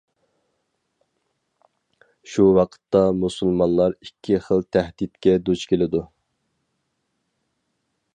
شۇ ۋاقىتتا مۇسۇلمانلار ئىككى خىل تەھدىتكە دۇچ كېلىدۇ.